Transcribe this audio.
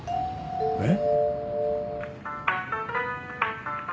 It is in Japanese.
えっ？